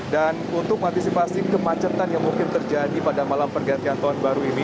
dan untuk mengantisipasi kemacetan yang mungkin terjadi pada malam pergantian tahun baru ini